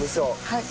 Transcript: はい。